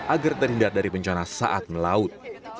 agar terhindar dari bencana saat melaut